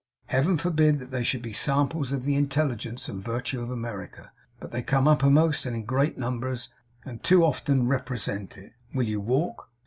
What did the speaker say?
Heaven forbid that they should be samples of the intelligence and virtue of America, but they come uppermost, and in great numbers, and too often represent it. Will you walk?